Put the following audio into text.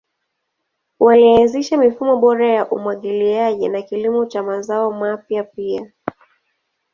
Walianzisha mifumo bora ya umwagiliaji na kilimo cha mazao mapya pia.